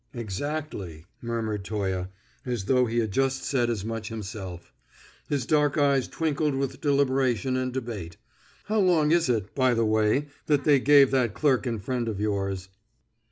"Exactly," murmured Toye, as though he had just said as much himself. His dark eyes twinkled with deliberation and debate. "How long is it, by the way, that they gave that clerk and friend of yours?"